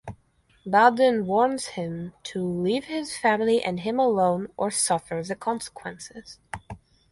Bowden warns him to leave his family and him alone or suffer the consequences.